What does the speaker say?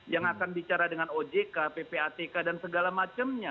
yang akan bicara dengan ojk ppatk dan segala macamnya